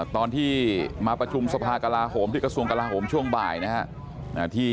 ตอนที่มาประชุมที่กระทรวงทหารกลาโหมช่วงบ่ายนะฮะ